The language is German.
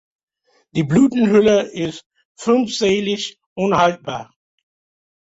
Die Blütenhülle ist fünfzählig und haltbar.